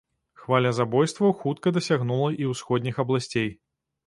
Хваля забойстваў хутка дасягнула і ўсходніх абласцей.